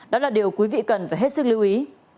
đó là điều quý vị cần phải hết sức lưu ý